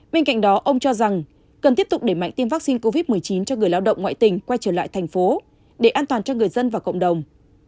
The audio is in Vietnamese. bên cạnh đó ông cho rằng cần tiếp tục để mạnh tiêm vaccine covid một mươi chín cho người lao động ngoại tỉnh quay trở lại thành phố để an toàn cho người dân và cộng đồng